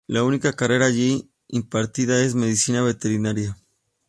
La única carrera allí impartida es Medicina veterinaria.